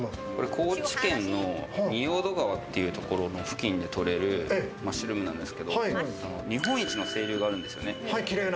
高知県の仁淀川っていう所の付近で取れるマッシュルームなんですけど、日本一の清流があるんですよね。